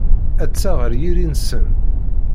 Atta ɣer yiri-nsen.